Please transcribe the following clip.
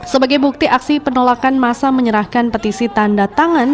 sebagai bukti aksi penolakan masa menyerahkan petisi tanda tangan